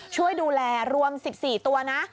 ช่วยดูแลรวม๑๔ตัวนะ